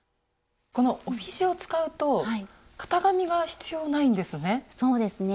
この帯地を使うと型紙が必要ないんですね。